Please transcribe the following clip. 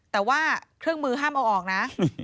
แต่ว่าเครื่องมือห้ามเอาออกนะ